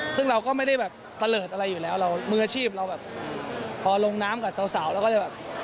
ซึ่งเราก็ไม่ได้แบบตะเลิศอะไรอยู่แล้วเรามืออาชีพเราแบบพอลงน้ำกับสาวเราก็จะแบบ